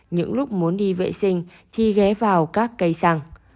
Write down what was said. những lúc muốn đi vệ sinh thì ghé vào các cây xăng